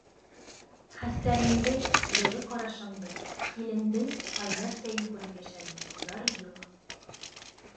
Хәстәреңде, йылы ҡарашыңды, килендең ҡайнар сәйен күреп йәшәнем, зар юҡ.